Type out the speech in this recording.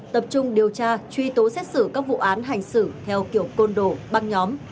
tập trung điều tra truy tố xét xử các vụ án hành xử theo kiểu côn đồ băng nhóm